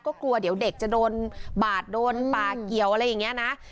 ก็กลัวเดี๋ยวเด็กจะโดนบาดโดนป่าเกี่ยวอะไรอย่างนี้นะ